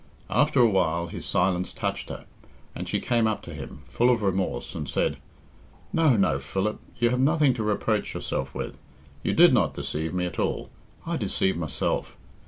After awhile his silence touched her, and she came up to him, full of remorse, and said, "No, no, Philip, you have nothing to reproach yourself with. You did not deceive me at all. I deceived myself.